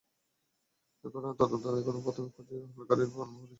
ঘটনার তদন্ত এখনো প্রাথমিক পর্যায়ে থাকায় হামলাকারীর নাম-পরিচয় প্রকাশ করেনি পুলিশ।